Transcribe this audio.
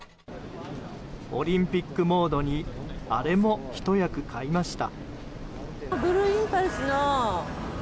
オリンピックモードにあれもひと役買いました。